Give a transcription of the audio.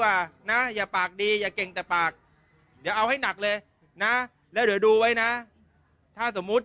วะนะอย่าปากดีอย่ากลิ่งตรฟากอย่าเอาให้หนักเลยนะแล้วดูไว้นะถ้าสมมุติ